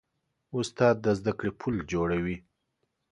استاد د زدهکړې پل جوړوي.